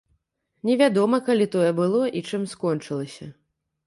Невядома, калі тое было і чым скончылася.